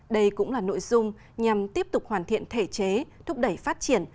đây cũng là nội dung nhằm tiếp tục hoàn thiện thể chế thúc đẩy phát triển